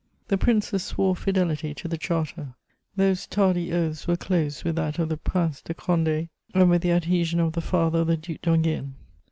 The Princes swore fidelity to the Charter; those tardy oaths were closed with that of the Prince de Condé and with the adhesion of the father of the Duc d'Enghien.